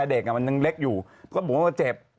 เด็กมันยังเล็กอยู่ก็บอกว่าเจ็บ